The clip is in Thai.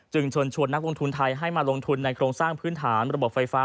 เชิญชวนนักลงทุนไทยให้มาลงทุนในโครงสร้างพื้นฐานระบบไฟฟ้า